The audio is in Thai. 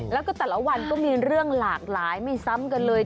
แล้วก็แต่ละวันก็มีเรื่องหลากหลายไม่ซ้ำกันเลย